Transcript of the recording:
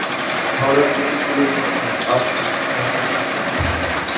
হাওড়ার পুতুল গুলির মধ্যে পালকি, নৌকা উল্লেখযোগ্য।